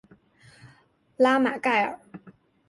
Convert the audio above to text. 拉马盖尔。